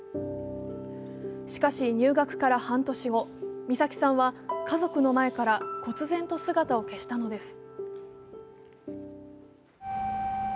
しかし、入学から半年後、美咲さんは家族の前からこつ然と姿を消したのです。